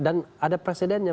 dan ada presidennya